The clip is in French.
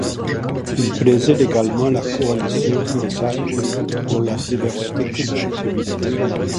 Il préside également la Coalition française pour la diversité culturelle.